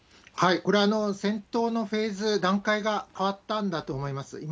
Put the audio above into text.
これは戦闘のフェーズ、段階が上がったんだと思います。